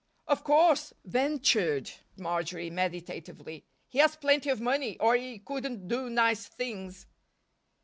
"Of course," ventured Marjory, meditatively, "he has plenty of money or he couldn't do nice things."